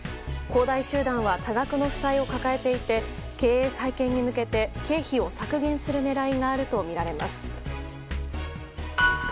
恒大集団は多額の負債を抱えていて経営再建に向けて経費を削減する狙いがあるとみられています。